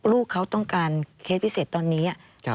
ลูกเขาต้องการเคสพิเศษตอนนี้